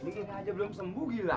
gila aja belum sembuh gila